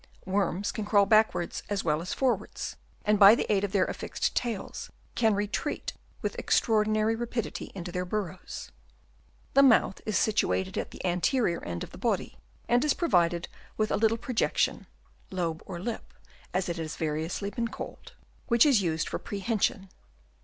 Worms can crawl backwards as well as forwards, and by the aid of their affixed tails can retreat with extraordinary rapidity into their burrows. The mouth is situated at the anterior end of the body, and is provided with a little projection (lobe or lip, as it has been variously called) which is used for prehension.